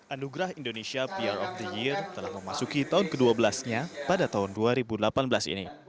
anugerah indonesia pr of the year telah memasuki tahun ke dua belas nya pada tahun dua ribu delapan belas ini